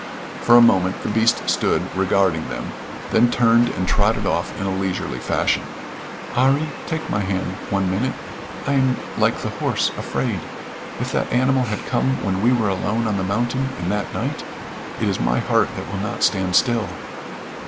For a moment the beast stood regarding them, then turned and trotted off in a leisurely fashion. "'Arry, take my hand one minute. I am like the horse, afraid. If that animal had come when we were alone on the mountain in that night it is my heart that will not stand still."